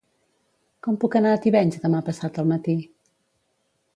Com puc anar a Tivenys demà passat al matí?